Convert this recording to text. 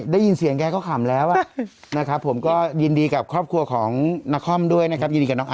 ได้ยินเสียงแกก็ขำละ